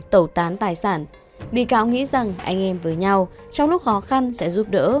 tẩu tán tài sản bị cáo nghĩ rằng anh em với nhau trong lúc khó khăn sẽ giúp đỡ